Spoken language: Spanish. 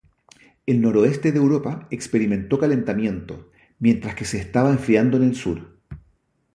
El noroeste de Europa experimentó calentamiento, mientras que se estaba enfriando en el sur.